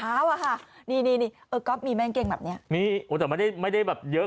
อ้าวนี้แม่ใช่แล้ว